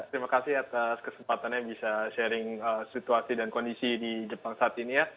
terima kasih atas kesempatannya bisa sharing situasi dan kondisi di jepang saat ini ya